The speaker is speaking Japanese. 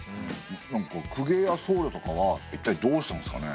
なんか公家や僧侶とかはいったいどうしたんですかね。